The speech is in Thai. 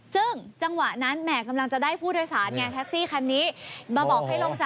ซึ่งจังหวะนั้นแหมกำลังจะได้ผู้โดยสารแท็กซี่คันนี้